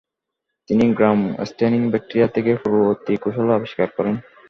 তিনি গ্র্যাম staining bacteria থেকে পূর্ববর্তী কৌশল আবিষ্কার করেন।